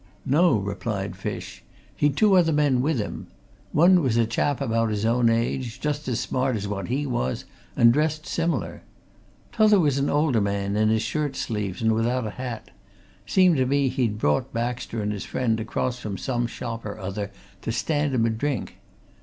"No," replied Fish. "He'd two other men with him. One was a chap about his own age, just as smart as what he was, and dressed similar. T'other was an older man, in his shirt sleeves and without a hat seemed to me he'd brought Baxter and his friend across from some shop or other to stand 'em a drink.